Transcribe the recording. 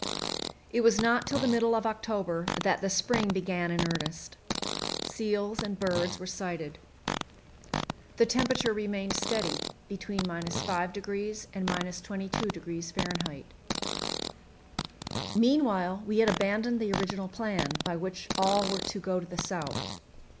It was not till the middle of October that the spring began in earnest. Seals and birds were sighted. The temperature remained steady, between 5° and 22° F. Meanwhile we had abandoned the original plan, by which all were to go to the south.